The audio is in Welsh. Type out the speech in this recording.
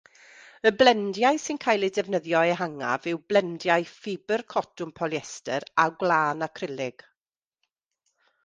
Y blendiau sy'n cael eu defnyddio ehangaf yw blendiau ffibr cotwm-polyester a gwlân-acrylig.